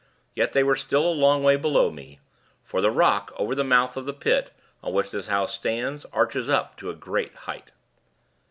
Yet, they were still a long way below me; for the rock, over the mouth of the pit, on which this house stands, arches up to a great height.